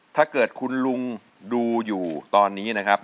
ถ้าเกิดคุณลุงดูอยู่ตอนนี้นะครับ